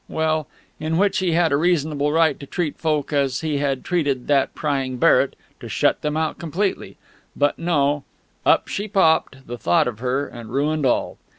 well, in which he had a reasonable right to treat folk as he had treated that prying Barrett to shut them out completely.... But no: up she popped, the thought of her, and ruined all.